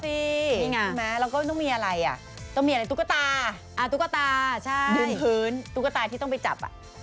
ใช่มั้ยแล้วก็ต้องมีอะไรตุ๊กตาดึงพื้นตุ๊กตาที่ต้องไปจับ